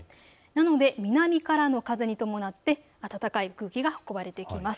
なので南からの風に伴って暖かい空気が運ばれてきています。